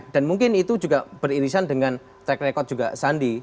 dan mungkin itu juga beririsan dengan track record juga sandi